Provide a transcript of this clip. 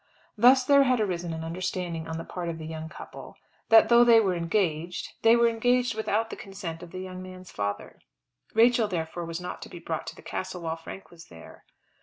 Thus there had arisen an understanding on the part of the young people, that, though they were engaged, they were engaged without the consent of the young man's father. Rachel therefore was not to be brought to the Castle while Frank was there.